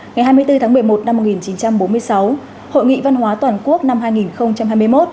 ngày hai mươi bốn tháng một mươi một năm một nghìn chín trăm bốn mươi sáu hội nghị văn hóa toàn quốc năm hai nghìn hai mươi một